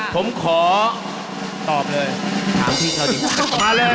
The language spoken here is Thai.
ผมขอตอบเลย